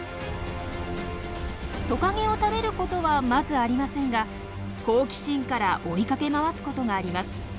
トカゲを食べることはまずありませんが好奇心から追いかけ回すことがあります。